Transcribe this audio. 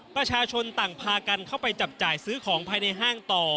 ประชาชนต่างพากันเข้าไปจับจ่ายซื้อของภายในห้างต่อ